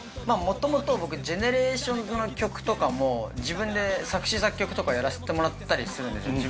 元々僕ＧＥＮＥＲＡＴＩＯＮＳの曲とかも自分で作詞作曲とかやらしてもらってたりするんですね